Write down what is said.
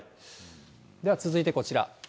では続いてこちら。